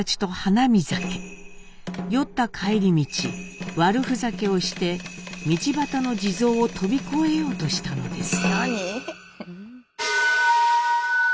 酔った帰り道悪ふざけをして道端の地蔵を飛び越えようとしたのです。